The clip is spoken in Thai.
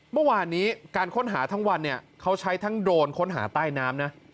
เมื่อวานนี้การค้นหาทั้งวันเนี่ยเขาใช้ทั้งโดรนค้นหาใต้น้ำนะ